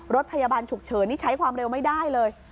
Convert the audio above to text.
รถพยาบาลฉุกเฉินนี่ใช้ความเร็วไม่ได้เลย